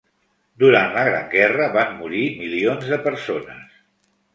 Durant la Gran Guerra van morir milions de persones